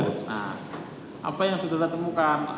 nah apa yang sudah lah temukan